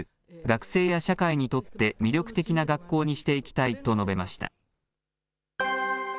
学生や社会にとって魅力的な学校にしていきたいと述べました。